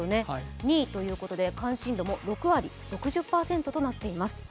２位ということで関心度も６割、６０％となっています。